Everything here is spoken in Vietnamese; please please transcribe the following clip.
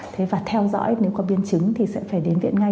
thế và theo dõi nếu có biến chứng thì sẽ phải đến viện ngay